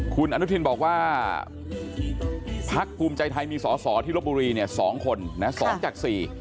คุณอนุทินบอกว่าพักภูมิใจไทยมีสอสอที่ลบบุรีเนี่ย๒คนนะ๒จาก๔